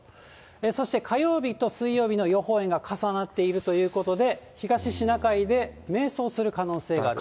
そして火曜日と水曜日の予報円が重なっているということで、東シナ海で迷走する可能性があると。